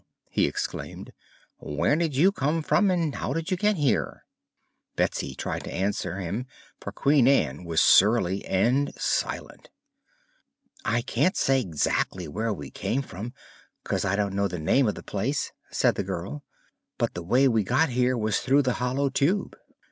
he exclaimed. "Where did you come from and how did you get here?" Betsy tried to answer him, for Queen Ann was surly and silent. "I can't say, exac'ly where we came from, 'cause I don't know the name of the place," said the girl, "but the way we got here was through the Hollow Tube."